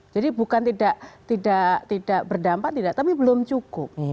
jadi bukan tidak berdampak tidak tapi belum cukup